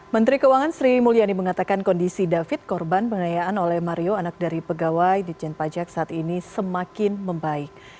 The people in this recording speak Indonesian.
menteri keuangan sri mulyani mengatakan kondisi david korban penganiayaan oleh mario anak dari pegawai dijen pajak saat ini semakin membaik